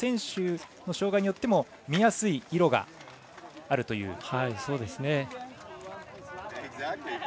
選手の障がいによっても見やすい色があるという。